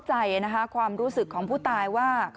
ตอนนี้ก็เพิ่งที่จะสูญเสียคุณย่าไปไม่นาน